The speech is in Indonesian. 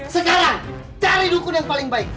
sekarang cari dukun yang paling baik